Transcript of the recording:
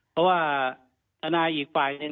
เพราะว่าทนายอีกฝ่ายหนึ่ง